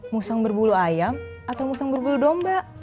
musang berbulu ayam atau musang berbulu domba